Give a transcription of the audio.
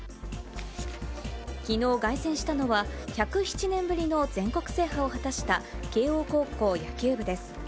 きのう凱旋したのは、１０７年ぶりの全国制覇を果たした慶応高校野球部です。